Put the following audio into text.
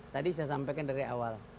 tadi saya sampaikan dari awal